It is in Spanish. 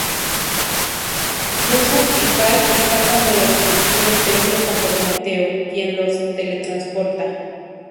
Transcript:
Rufus y Kal escapan de la destrucción del templo con Prometeo, quien los teletransporta.